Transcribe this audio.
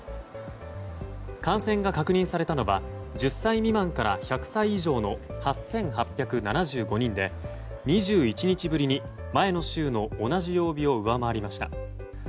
感染が確認されたのは１０歳未満から１００歳以上の８８７５人で２１日ぶりに前の週の同じ曜日を上回りました。